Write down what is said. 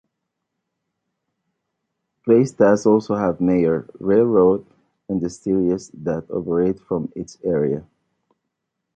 Placetas also has mayor railroad industries that operate from its area.